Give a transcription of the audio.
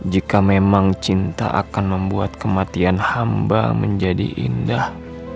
jika memang cinta akan membuat kematian hamba menjadi indah